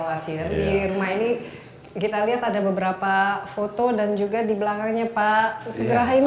jadi di rumah ini kita lihat ada beberapa foto dan juga di belakangnya pak segera ini